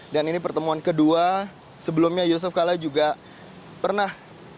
dan ini pertemuan kedua sebelumnya yusuf kala juga pernah